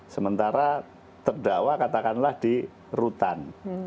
sementara terdakwa katakanlah di rutan